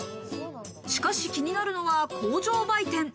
しかし、気になるのは工場売店。